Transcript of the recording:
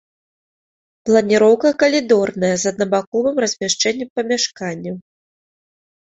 Планіроўка калідорная, з аднабаковым размяшчэннем памяшканняў.